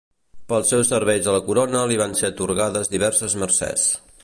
Pels seus serveis a la corona li van ser atorgades diverses mercès.